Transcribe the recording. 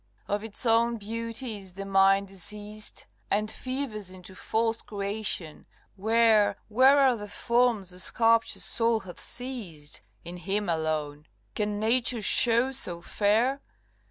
CXXII. Of its own beauty is the mind diseased, And fevers into false creation; where, Where are the forms the sculptor's soul hath seized? In him alone. Can Nature show so fair?